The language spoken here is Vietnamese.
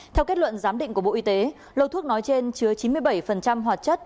theo kết luận giám định của bộ y tế lô thuốc nói trên chứa chín mươi bảy hoạt chất